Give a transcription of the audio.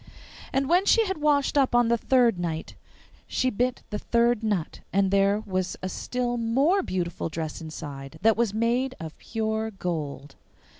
And when she had washed up on the third night she bit the third nut, and there was a still more beautiful dress inside that was made of pure gold.